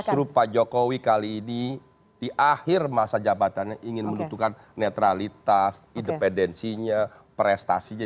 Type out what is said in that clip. justru pak jokowi kali ini di akhir masa jabatannya ingin menunjukkan netralitas independensinya prestasinya